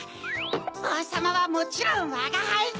おうさまはもちろんわがはい！